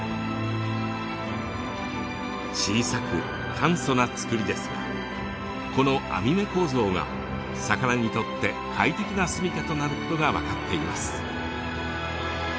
小さく簡素な作りですがこの網目構造が魚にとって快適な住みかとなることが分かっています。